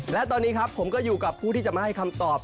และตอนนี้ครับผมก็อยู่กับผู้ที่จะมาให้คำตอบ